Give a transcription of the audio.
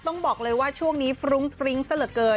ต้องบอกเลยว่าช่วงนี้ฟรุ้งฟริ้งซะเหลือเกิน